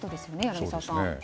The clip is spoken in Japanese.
柳澤さん。